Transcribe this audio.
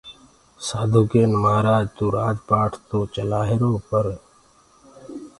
سآڌوٚ ڪين مهآرآج تو رآج پآٽ تو چلآهيروئي پر